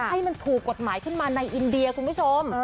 ให้มันถูกกฎหมายขึ้นมาในอินเดียคุณผู้ชม